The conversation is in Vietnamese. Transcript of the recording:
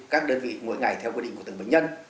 các đơn vị mỗi ngày theo quy định của từng bệnh nhân